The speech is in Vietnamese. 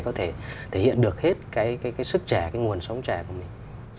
có thể thể hiện được hết cái sức trẻ cái nguồn sống trẻ của mình